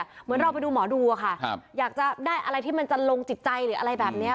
เหมือนเราไปดูหมอดูอะค่ะอยากจะได้อะไรที่มันจะลงจิตใจหรืออะไรแบบนี้